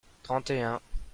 trente et un.